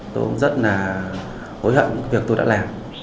tôi cũng rất là hối hận việc tôi đã làm